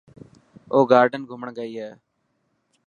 او گارڊ گھمڻ گئي هي.